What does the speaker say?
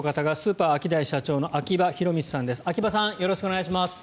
よろしくお願いします。